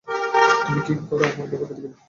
তুমি কি আমার বাবাকে দেখেছো?